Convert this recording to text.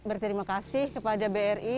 berterima kasih kepada bri